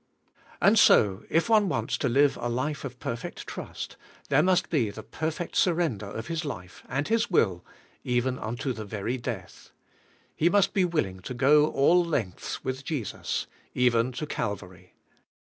And so, if one wants to live a life of perfect trust, there must be the perfect surrender of his life, and his will, even unto the very death. He must be will ing to go all lengths with Jesus, even to Calvary.